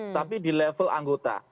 tapi di level anggota